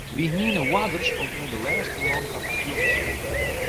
Wy hiene oarders om oan de lêste man ta te fjochtsjen.